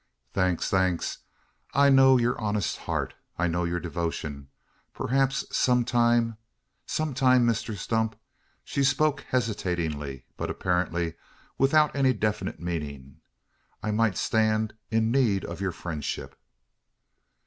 "Thanks! thanks! I know your honest heart I know your devotion. Perhaps some time some time, Mr Stump," she spoke hesitatingly, but apparently without any definite meaning "I might stand in need of your friendship."